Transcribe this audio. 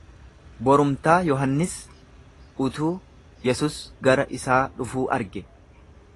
Borumtaa Yohannis utuu Yesus gara isaa dhufuu arge.